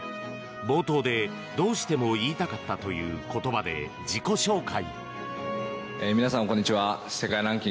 冒頭でどうしても言いたかったという言葉で自己紹介。